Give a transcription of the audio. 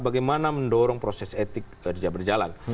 bagaimana mendorong proses etik bisa berjalan